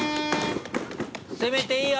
攻めていいよ！